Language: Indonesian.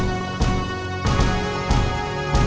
dewi pasti akan senang mendengar berita ini